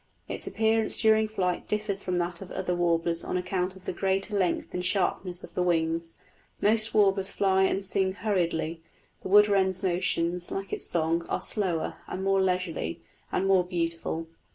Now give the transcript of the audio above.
Its appearance during flight differs from that of other warblers on account of the greater length and sharpness of the wings. Most warblers fly and sing hurriedly; the wood wren's motions, like its song, are slower, more leisurely, and more beautiful.